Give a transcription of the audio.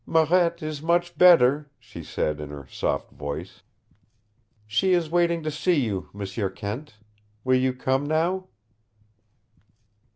"Marette is much better," she said in her soft voice. "She is waiting to see you, M'sieu Kent. Will you come now?"